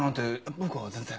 僕は全然。